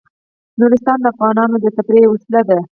نورستان د افغانانو د تفریح یوه وسیله ده.